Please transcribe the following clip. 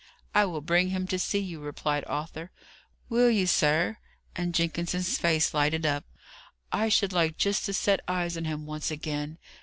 "I will bring him to see you," replied Arthur. "Will you, sir?" and Jenkins's face lighted up. "I should like just to set eyes on him once again.